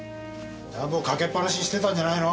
暖房かけっぱなしにしてたんじゃないの？